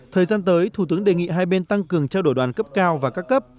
thời gian tới thủ tướng đề nghị hai bên tăng cường trao đổi đoàn cấp cao và các cấp